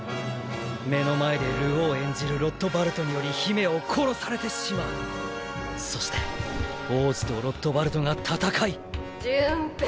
目の前で流鶯演じるロットバルトにより姫を殺されてしまうそして王子とロットバルトが戦い潤平